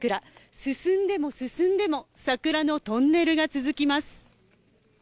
進んでも、進んでも桜のトンネルが続きます。